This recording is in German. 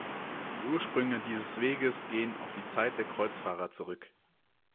Die Ursprünge dieses Weges gehen auf die Zeit der Kreuzfahrer zurück.